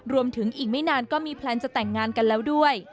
รวมถึงอีกไม่นานก็มีแพลนจะแต่งงานกันแล้วด้วย